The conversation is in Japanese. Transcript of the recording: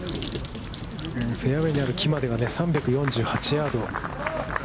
フェアウェイにある木までは３４８ヤード。